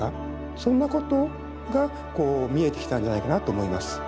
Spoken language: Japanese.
そんなことがこう見えてきたんじゃないかなと思います。